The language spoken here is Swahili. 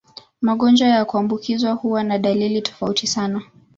Magonjwa ya kuambukizwa huwa na dalili tofauti sana.